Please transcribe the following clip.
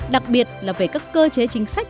đặc biệt là về các cơ chế chính sách